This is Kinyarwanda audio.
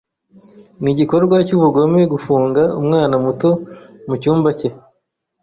Ni igikorwa cyubugome gufunga umwana muto mucyumba cye.